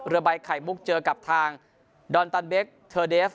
ใบไข่มุกเจอกับทางดอนตันเบคเทอร์เดฟ